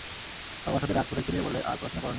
বাবার সাথে রাগ করেছিলে বলে, আর পড়াশোনা করোনি।